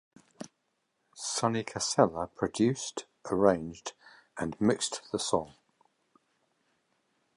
Sonny Casella produced, arranged and mixed the song.